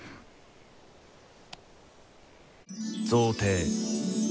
贈呈。